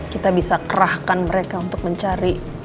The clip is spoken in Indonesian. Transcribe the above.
kita bisa kerahkan mereka untuk mencari